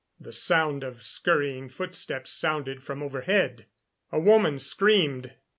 The sound of scurrying footsteps sounded from overhead; a woman screamed.